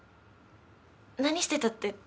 何してたって。